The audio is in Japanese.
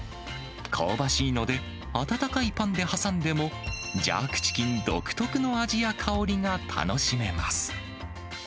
香ばしいので、温かいパンで挟んでも、ジャークチキン独特の味や香りが楽しめます。